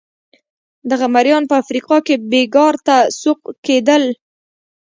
دغه مریان په افریقا کې بېګار ته سوق کېدل.